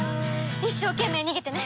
一生懸命逃げてね。